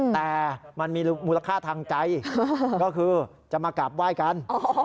แต่มันมีมูลค่าทางใจก็คือจะมากราบไหว้กัน